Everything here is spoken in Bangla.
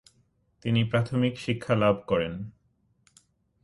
তিনি প্রাথমিক শিক্ষা লাভ করেন।